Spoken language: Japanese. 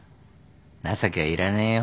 情けはいらねえよ